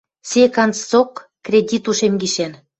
— Сек анзыцок кредит ушем гишӓн.